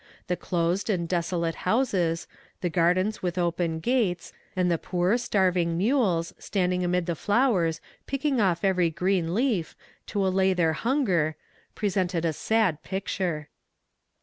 The closed and desolate houses, the gardens with open gates, and the poor, starving mules, standing amid the flowers, picking off every green leaf, to allay their hunger, presented a sad picture.